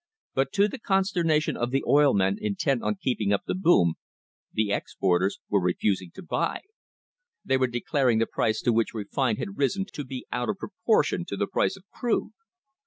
But to the consternation of the oil men intent on keeping up the boom, the exporters were refusing to buy. They were declaring the price to which refined had risen to be out of proportion to the price of crude.